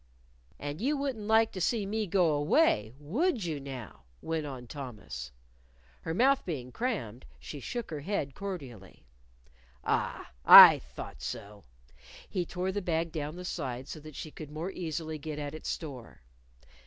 "And you wouldn't like to see me go away, would you now," went on Thomas. Her mouth being crammed, she shook her head cordially. "Ah! I thought so!" He tore the bag down the side so that she could more easily get at its store.